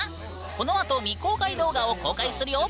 このあと未公開動画を公開するよ！